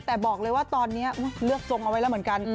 แต่บอกเลยว่าตอนนี้เลือกทรงเอาไว้แล้วเหมือนกัน